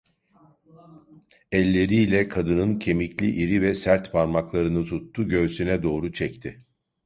Elleriyle kadının kemikli, iri ve sert parmaklarını tuttu, göğsüne doğru çekti.